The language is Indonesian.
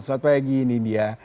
selamat pagi nidia